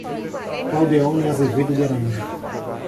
Claudeone Azevedo de Araújo